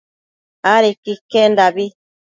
adequi iquendabi